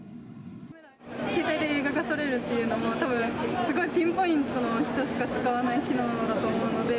携帯で映画が撮れるというのも、たぶん、すごいピンポイントの人しか使わない機能だと思うので。